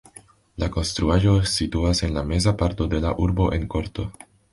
La konstruaĵo situas en la meza parto de la urbo en korto.